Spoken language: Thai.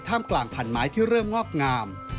กลางพันไม้ที่เริ่มงอกงาม